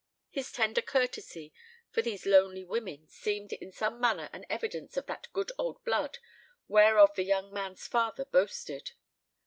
His tender courtesy for these lonely women seemed in some manner an evidence of that good old blood whereof the young man's father boasted.